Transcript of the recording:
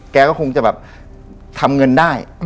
แกก็คงจะแบบทำเงินได้